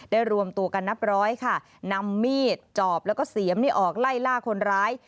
รวมตัวกันนับร้อยค่ะนำมีดจอบแล้วก็เสียมนี่ออกไล่ล่าคนร้าย